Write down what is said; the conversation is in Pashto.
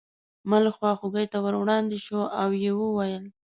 ملک خواخوږۍ ته ور وړاندې شو او یې وویل.